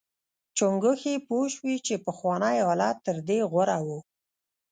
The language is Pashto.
چنګښې پوه شوې چې پخوانی حالت تر دې غوره و.